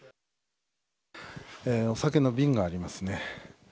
お酒の瓶がありますね。